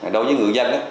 đối với người dân